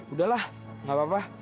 udahlah gak apa apa